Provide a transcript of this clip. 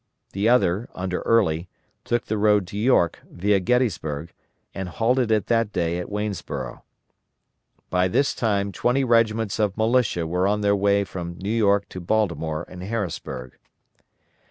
The other, under Early, took the road to York, via Gettysburg, and halted on that day at Waynesborough. By this time twenty regiments of militia were on their way from New York to Baltimore and Harrisburg.